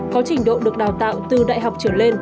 có trình độ được đào tạo từ đại học trở lên